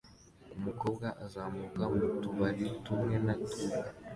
Umukobwa azamuka mu tubari tumwe na tumwe